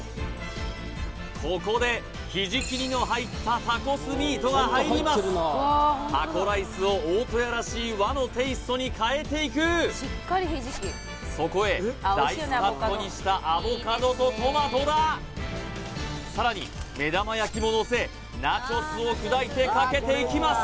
ここでひじき煮の入ったタコスミートが入りますタコライスを大戸屋らしい和のテイストに変えていくそこへダイスカットにしたアボカドとトマトださらに目玉焼きも乗せナチョスを砕いてかけていきます